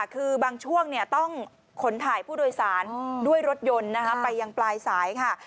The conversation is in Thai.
คือบางช่วงต้องขนถ่ายผู้โดยสารด้วยรถยนต์ไปยังปลายสายค่ะ